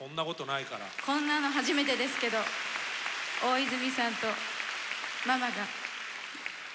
こんなの初めてですけど大泉さんとママが歌わせて頂きます。